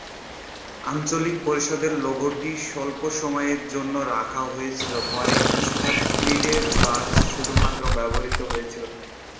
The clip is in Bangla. আঞ্চলিক পরিষদের লোগোটি অল্প সময়ের জন্য রাখা হয়েছিল, পরে "স্ট্রাথক্লিডের বাস" শুধুমাত্র ব্যবহৃত হয়েছিল।